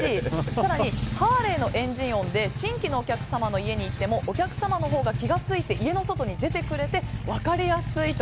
更にハーレーのエンジン音で新規のお客様の家に行ってもお客様のほうが気が付いて家の外に出てくれて分かりやすいと。